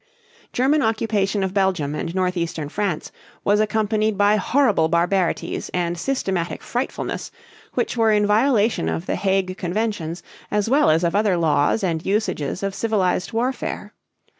German occupation of Belgium and northeastern France was accompanied by horrible barbarities and systematic frightfulness, which were in violation of the Hague Conventions as well as of other laws and usages of civilized warfare.